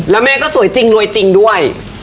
แล้วแม่ก็สวยจริงรวยจริงด้วย